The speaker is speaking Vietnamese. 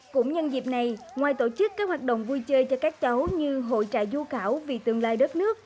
cũng nhân dịp này ngoài tổ chức các hoạt động vui chơi cho các cháu như hội trại du khảo vì tương lai đất nước